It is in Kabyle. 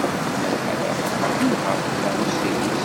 Malḥa Baḥa tnehheṛ takeṛṛust-nnes.